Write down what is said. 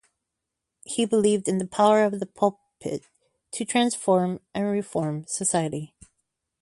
He believed in the power of the pulpit to transform and reform society.